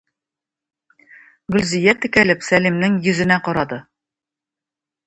Гөлзия текәлеп Сәлимнең йөзенә карады.